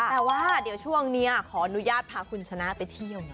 แต่ว่าเดี๋ยวช่วงนี้ขออนุญาตพาคุณชนะไปเที่ยวนะ